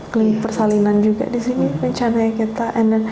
klinik persalinan juga disini rencananya kita